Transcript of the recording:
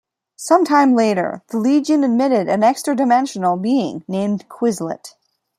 Some time later, the Legion admitted an extra-dimensional being named Quislet.